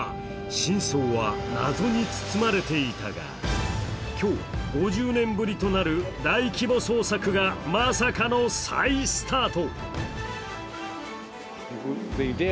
真相は謎に包まれていたが今日、５０年ぶりとなる大規模捜索がまさかの再スタート。